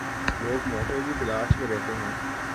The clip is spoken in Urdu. لوگ موقع کی تلاش میں رہتے ہیں۔